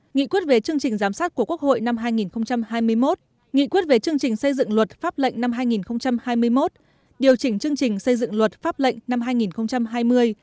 nghị quyết về chương trình giám sát của quốc hội năm hai nghìn hai mươi một nghị quyết về chương trình xây dựng luật pháp lệnh năm hai nghìn hai mươi một điều chỉnh chương trình xây dựng luật pháp lệnh năm hai nghìn hai mươi